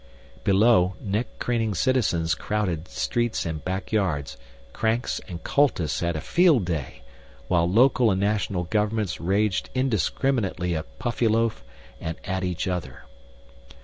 Below, neck craning citizens crowded streets and back yards, cranks and cultists had a field day, while local and national governments raged indiscriminately at Puffyloaf and at each other.